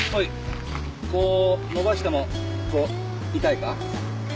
こう伸ばしても痛いか？